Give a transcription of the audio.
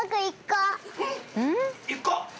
１個？